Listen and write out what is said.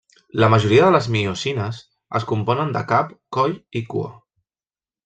La majoria de les miosines es componen de cap, coll i cua.